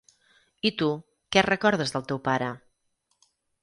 I tu, què recordes del teu pare?